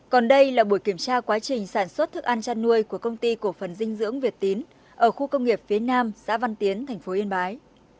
còn đây là buổi kiểm tra quá trình sản xuất thức ăn chăn nuôi của công ty cổ phần dinh dưỡng việt tín ở khu công nghiệp phía nam xã văn tiến tp yên bái